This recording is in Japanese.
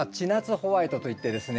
ホワイトといってですね